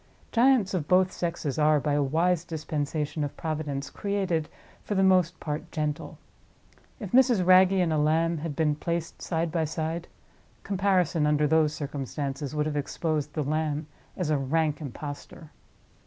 Giants of both sexes are, by a wise dispensation of Providence, created, for the most part, gentle. If Mrs. Wragge and a lamb had been placed side by side, comparison, under those circumstances, would have exposed the lamb as a rank impostor.